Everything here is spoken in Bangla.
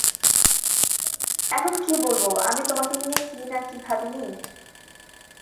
এখন কী বলব, আমি তোমাকে নিয়ে কী-না ভাবিনি?